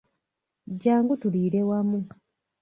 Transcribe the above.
Jangu tuliire wamu.